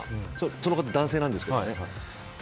その方、男性なんですけど。